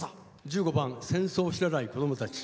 １５番「戦争を知らない子供たち」。